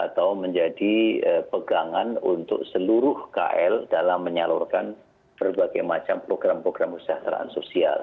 atau menjadi pegangan untuk seluruh kl dalam menyalurkan berbagai macam program program kesejahteraan sosial